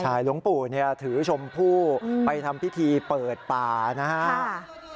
ใช่หลวงปู่เนี่ยถือชมพู่ไปทำพิธีเปิดป่านะครับ